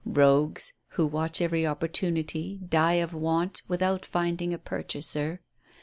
Kogues, who watch every opportunity, die of want, without finding a purchaser.